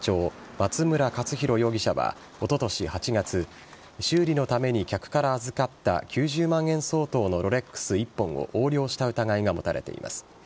松村勝弘容疑者は、おととし８月修理のために客から預かった９０万円相当のロレックス１本を横領した疑いが持たれています。